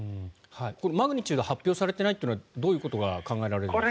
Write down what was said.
マグニチュードが発表されていないというのはどういうことが考えられるんですか？